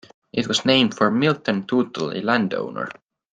It was named for Milton Tootle, a landowner.